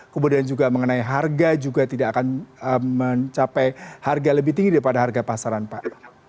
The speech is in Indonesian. kemudian juga mengenai harga juga tidak akan mencapai harga lebih tinggi daripada harga pasaran pak